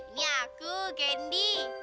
ini aku candy